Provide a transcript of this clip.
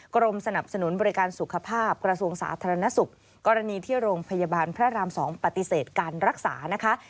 กรมสนับสนุนบริการสุขภาพกระทรวงสาธารณสุขกรณีที่โรงพยาบาลพระราม๒ปฏิเสธการรักษานะคะ